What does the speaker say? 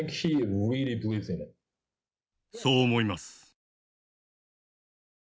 そう思います。